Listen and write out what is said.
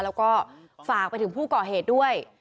แล้วก็ฝากไปถึงผู้ก่อเหตุด้วย